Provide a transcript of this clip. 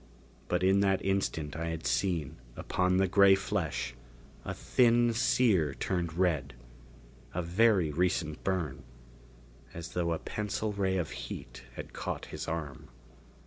But in that instant I had seen, upon the gray flesh, a thin sear turned red. A very recent burn as though a pencil ray of heat had caught his arm.